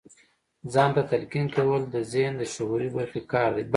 ځان ته تلقين کول د ذهن د شعوري برخې کار دی.